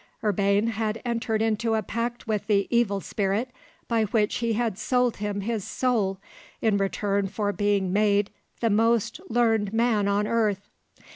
Urbain had entered into a pact with the Evil Spirit by which he had sold him his soul in return for being made the most learned man on earth.